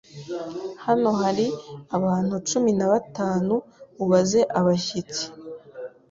Hano hari abantu cumi na batanu, ubaze abashyitsi